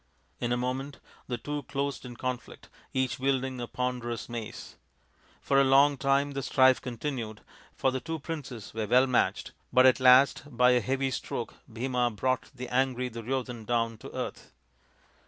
In a moment the two closed in conflict, each wielding a ponderous mace. For a long time the strife continued, for the two princes were well matched, but at last by a heavy stroke Bhima brought the angry Duryodhan down to earth.